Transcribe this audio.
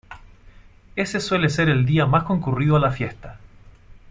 Ese suele ser el día más concurrido a la fiesta.